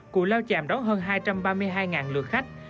cụ lao chàm đón hơn hai trăm ba mươi hai lượt khách